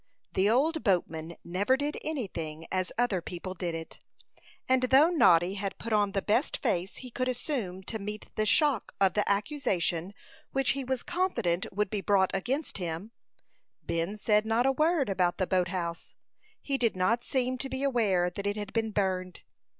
The old boatman never did any thing as other people did it; and though Noddy had put on the best face he could assume to meet the shock of the accusation which he was confident would be brought against him, Ben said not a word about the boat house. He did not seem to be aware that it had been burned.